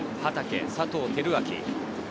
畠、佐藤輝明。